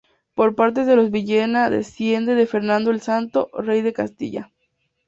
Por parte de los Villena desciende de Fernando el Santo, rey de Castilla.